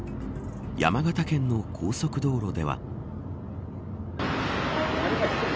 山形県の高速道路では。